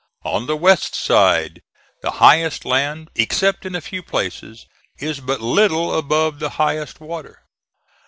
On the west side the highest land, except in a few places, is but little above the highest water.